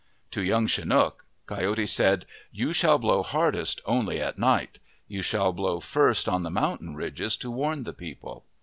To Young Chinook, Coyote said :" You shall blow hardest only at night. You shall blow first on the mountain ridges to warn the people."